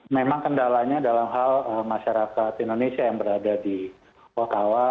memang kendalanya dalam hal masyarakat indonesia yang berada di okawa